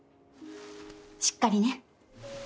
しっかりね。